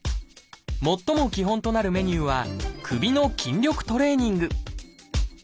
最も基本となるメニューは「首の筋力トレーニング」。